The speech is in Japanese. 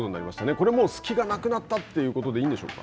これは隙がなくなったということでいいんでしょうか。